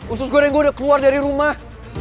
usus goreng gue udah keluar dari rumah